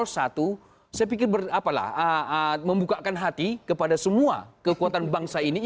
saya pikir membukakan hati kepada semua kekuatan bangsa ini